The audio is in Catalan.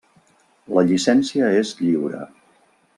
La llicència és lliure.